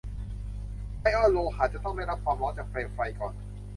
ไอออนโลหะจะต้องได้รับความร้อนจากเปลวไฟก่อน